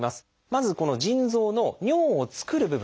まずこの腎臓の尿を作る部分。